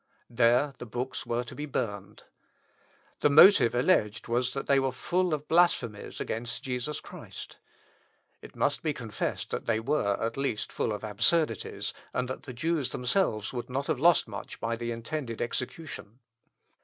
There the books were to be burned. The motive alleged was, that they were full of blasphemies against Jesus Christ. It must be confessed that they were, at least, full of absurdities, and that the Jews themselves would not have lost much by the intended execution.